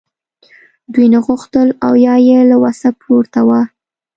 دوی نه غوښتل او یا یې له وسه پورته وه